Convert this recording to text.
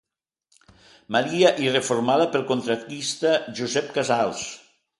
Maria i reformada pel contractista Josep Casals.